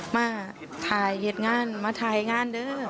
มาถ่ายเหตุงานมาถ่ายงานเด้อ